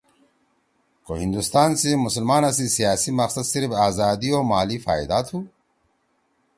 کو ہندوستان سی مسلمانا سی سیاسی مقصد صرف آزادی او مالی فائدا تُھو۔